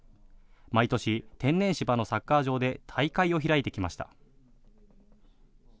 毎年、天然芝のサッカー場で大会を開いてきました。